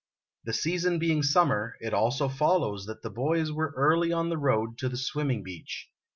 The season beino summer, it also o follows that the boys were early on the road to the swimming beach.